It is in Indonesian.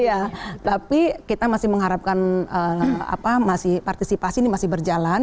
iya tapi kita masih mengharapkan partisipasi ini masih berjalan